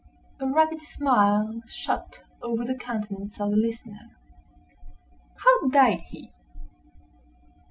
A rapid smile shot over the countenance of the listener. "How died he?"